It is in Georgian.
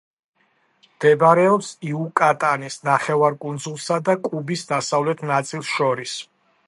მდებარეობს იუკატანის ნახევარკუნძულსა და კუბის დასავლეთ ნაწილს შორის.